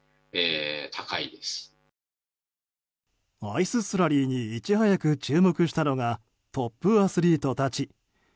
アイススラリーにいち早く注目したのがトップアスリートたち。